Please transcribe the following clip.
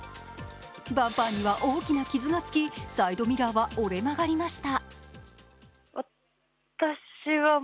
バンパーには大きな傷がつきサイドミラーは折れ曲がりました。